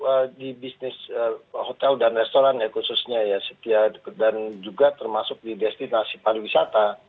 ya di bisnis hotel dan restoran ya khususnya ya dan juga termasuk di destinasi pariwisata